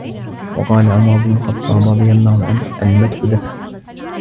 وَقَالَ عُمَرُ بْنُ الْخَطَّابِ رَضِيَ اللَّهُ عَنْهُ الْمَدْحُ ذَبْحُ